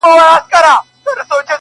• پر انارګل به زلمي چاپېروي -